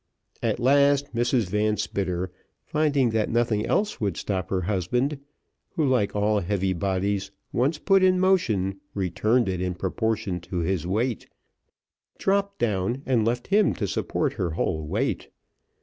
At last, Mrs Van Spitter finding that nothing else would stop her husband, who, like all heavy bodies, once put in motion, returned it in proportion to his weight, dropped down, and left him to support her whole weight.